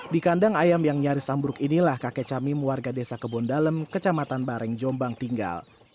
di kandang ayam yang nyaris ambruk inilah kakek camim warga desa kebondalem kecamatan bareng jombang tinggal